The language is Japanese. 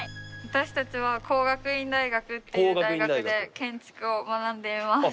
私たちは工学院大学っていう大学で建築を学んでいます。